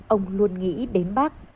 ông luôn nghĩ đến bác